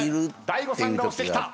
大悟さんが押してきた。